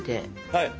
はい！